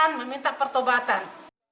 tuhan meminta pertobatan